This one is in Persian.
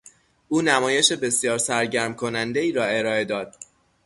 او نمایش بسیار سرگرم کنندهای را ارائه داد.